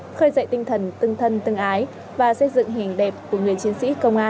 khơi dậy tinh thần tương thân tương ái và xây dựng hình đẹp của người chiến sĩ công an trong lòng nhân dân